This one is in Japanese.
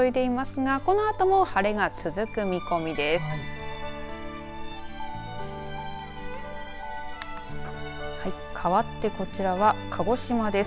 かわって、こちらは鹿児島です。